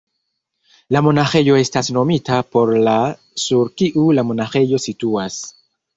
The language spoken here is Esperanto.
La monaĥejo estas nomita por la sur kiu la monaĥejo situas.